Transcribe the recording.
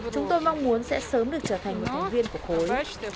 chúng tôi mong muốn sẽ sớm được trở thành một thành viên của khối